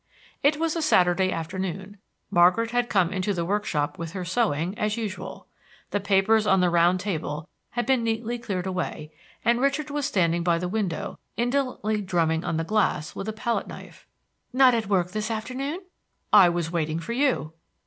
It was a Saturday afternoon. Margaret had come into the workshop with her sewing, as usual. The papers on the round table had been neatly cleared away, and Richard was standing by the window, indolently drumming on the glass with a palette knife. "Not at work this afternoon?" "I was waiting for you."